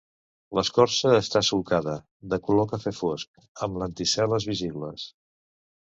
L'escorça està solcada, de color cafè fosc, amb lenticel·les visibles.